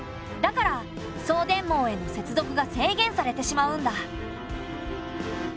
だから送電網への接続が制限されてしまうんだ。